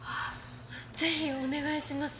ぜひお願いします。